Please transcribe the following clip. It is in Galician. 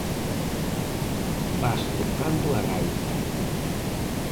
Vas tocando a gaita.